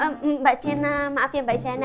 aduh mbak jenna maaf ya mbak jenna